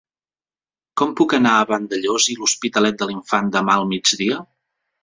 Com puc anar a Vandellòs i l'Hospitalet de l'Infant demà al migdia?